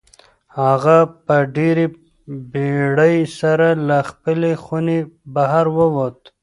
هغه په ډېرې بېړۍ سره له خپلې خونې بهر ووت.